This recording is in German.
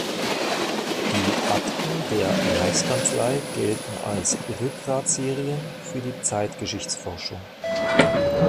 Die "Akten der Reichskanzlei" gelten als Rückgrat-Serien für die Zeitgeschichtsforschung.